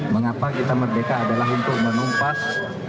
mengapa kita merdeka adalah untuk menumpas